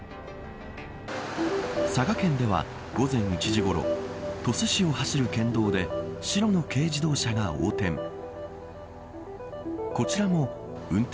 佐賀県では午前１時ごろ鳥栖市を走る県道で白の軽自動車が横転。